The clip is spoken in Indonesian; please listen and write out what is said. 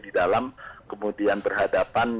di dalam kemudian berhadapan